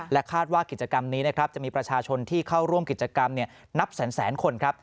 คาดว่ากิจกรรมนี้นะครับจะมีประชาชนที่เข้าร่วมกิจกรรมนับแสนคนครับ